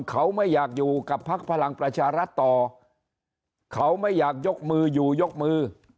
เขาไม่อยากอยู่กับพักพลังประชารัฐต่อเขาไม่อยากยกมืออยู่ยกมือ